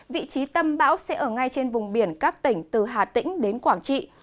vị trí tâm bão sẽ ở ngay trên vùng biển các tỉnh từ hà tĩnh đến quảng trị